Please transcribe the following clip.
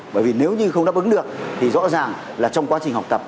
bởi vì nếu như không đáp ứng được thì rõ ràng là trong quá trình học tập